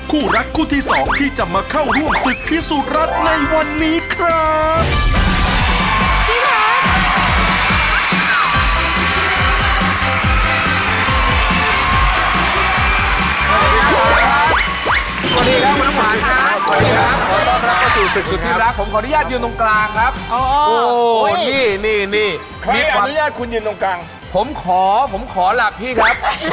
สวัสดีครับวันน้ำหวานค่ะ